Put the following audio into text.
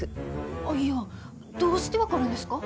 アイヤーどうして分かるんですか？